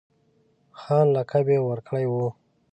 خان لقب یې ورکړی وو.